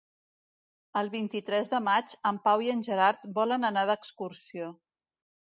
El vint-i-tres de maig en Pau i en Gerard volen anar d'excursió.